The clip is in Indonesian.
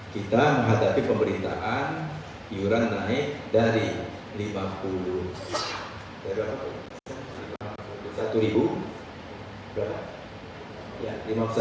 kita menghadapi pemerintahan iuran naik dari lima puluh dari berapa